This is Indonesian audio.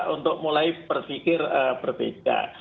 untuk mulai berpikir berbeda